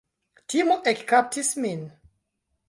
Timo ekkaptis min.